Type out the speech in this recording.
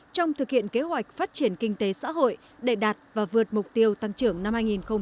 trong thực hiện kế hoạch phát triển kinh tế xã hội để đạt và vượt mục tiêu tăng trưởng năm hai nghìn hai mươi